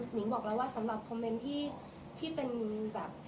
หญิงบอกแล้วว่าสำหรับคอมเมนต์ที่เป็นแบบ